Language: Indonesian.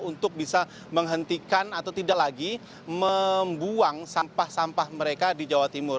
untuk bisa menghentikan atau tidak lagi membuang sampah sampah mereka di jawa timur